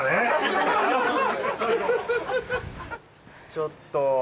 ちょっと。